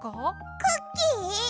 クッキー？